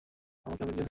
আমাকে আপডেট দিতে থেকো।